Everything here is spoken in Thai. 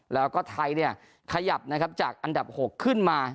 แล้วก็ไทยเนี่ยขยับนะครับจากอันดับ๖ขึ้นมา